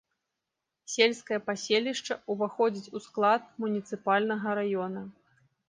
Сельскае паселішча ўваходзіць у склад муніцыпальнага раёна.